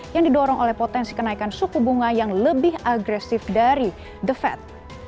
yang didorong oleh potensi kenaikan suku bunga yang lebih agresif dari the fed